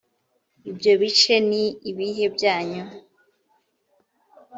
ibyo bice ni ibihe byanyu